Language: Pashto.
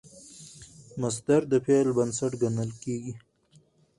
مصدر د فعل بنسټ ګڼل کېږي.